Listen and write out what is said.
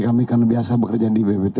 kami karena biasa bekerja di bpt